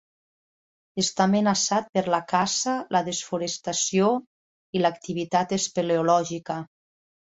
Està amenaçat per la caça, la desforestació i l'activitat espeleològica.